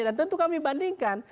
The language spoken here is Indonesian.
dan tentu kami bandingkan